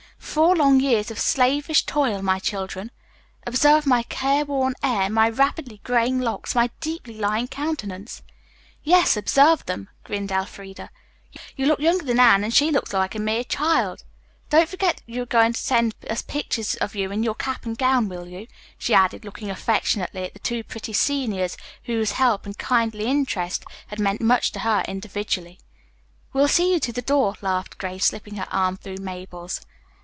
Four long years of slavish toil, my children. Observe my careworn air, my rapidly graying locks, my deeply lined countenance." "Yes, observe them," grinned Elfreda. "You look younger than Anne, and she looks like a mere chee ild. Don't forget that you are going to send us pictures of you in your cap and gown, will you?" she added, looking affectionately at the two pretty seniors, whose help and kindly interest had meant much to her individually. "We will see you to the door," laughed Grace, slipping her arm through Mabel's.